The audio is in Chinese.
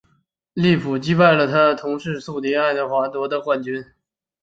利物浦击败了他们的同市宿敌爱华顿而夺得冠军。